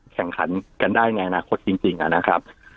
แข่งขันกันได้ในอนาคตจริงนะครับ